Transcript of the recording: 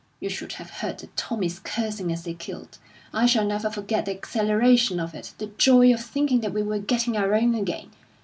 You should have heard the Tommies cursing as they killed! I shall never forget the exhilaration of it, the joy of thinking that we were getting our own again.